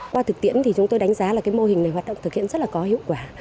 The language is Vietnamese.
qua thực tiễn thì chúng tôi đánh giá là cái mô hình này hoạt động thực hiện rất là có hiệu quả